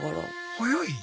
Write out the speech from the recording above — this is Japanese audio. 早い。